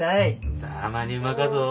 ざまにうまかぞ。